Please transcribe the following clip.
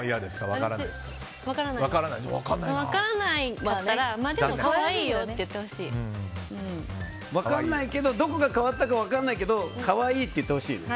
分からないんだったらどこが変わったか分からないけど可愛いって言ってほしいの？